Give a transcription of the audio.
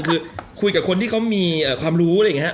คือคุยกับคนที่เขามีความรู้อะไรอย่างนี้